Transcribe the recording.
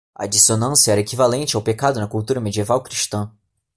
A dissonância era equivalente ao pecado na cultura medieval cristã.